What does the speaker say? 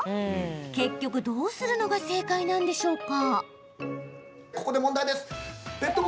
結局どうするのが正解なんでしょうか？